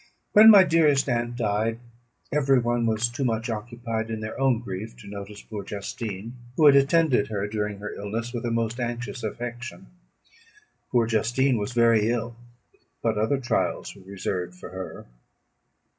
"When my dearest aunt died, every one was too much occupied in their own grief to notice poor Justine, who had attended her during her illness with the most anxious affection. Poor Justine was very ill; but other trials were reserved for her.